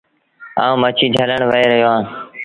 آئوٚنٚ مڇيٚ جھلڻ وهي رهيو اهآنٚ۔